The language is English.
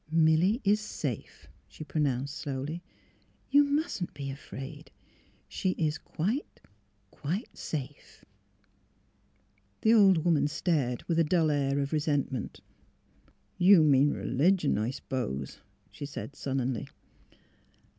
'' Milly is safe," she pronounced, slowly» *' You mustn't be afraid. She is quite — quite safe." The old woman stared, with a dull air of resent ment. " You mean — r'ligion, I s'pose," she said, sullenly.